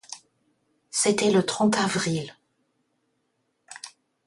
C’était le trente avril